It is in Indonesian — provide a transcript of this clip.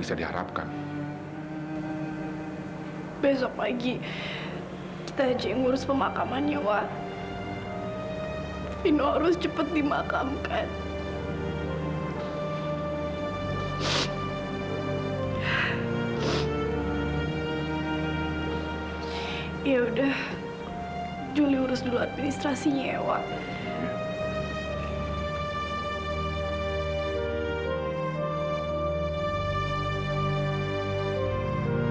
sampai jumpa di video selanjutnya